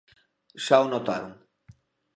Xa o notaron.